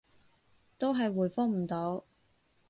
都係回覆唔到